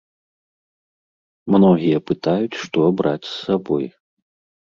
Многія пытаюць, што браць з сабой?